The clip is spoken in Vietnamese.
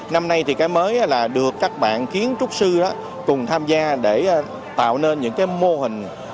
năm nay thì cái mới là được các bạn kiến trúc sư cùng tham gia để tạo nên những cái mô hình